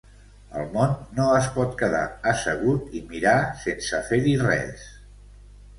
El món no es pot quedar assegut i mirar sense fer-hi res.